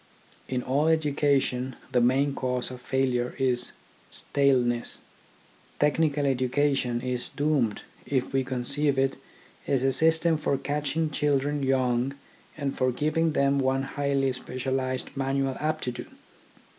In all education the main cause of failure is staleness. Technical education is doomed if we conceive it as a system for catching children young and for giving them one highly specialised manual aptitude.